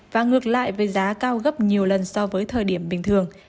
và ngược lại với giá cao gấp nhiều lần so với thời điểm bình thường